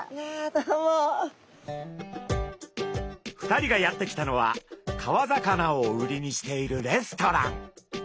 ２人がやって来たのは川魚を売りにしているレストラン。